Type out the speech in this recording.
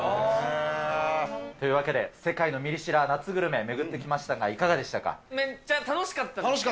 というわけで、世界のミリ知ら夏グルメ、巡ってきましたが、いかがでしたか？